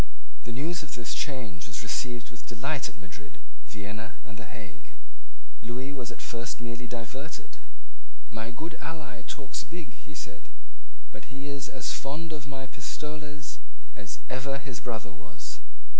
The news of this change was received with delight at Madrid, Vienna, and the Hague. Lewis was at first merely diverted. "My good ally talks big," he said; "but he is as fond of my pistoles as ever his brother was."